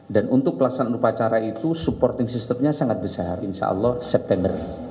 dan untuk pelaksanaan upacara itu supporting system nya sangat besar insya allah september